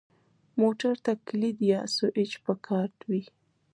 موټر ته کلید یا سوئچ پکار وي.